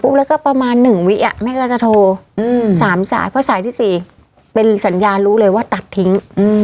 แล้วก็ประมาณ๑วิแม่ก็จะโทร๓สายเพราะสายที่๔เป็นสัญญารู้เลยว่าตัดทิ้ง